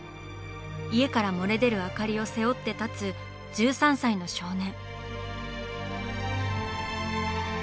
家から漏れ出る明かりを背負って立つ１３歳の少年。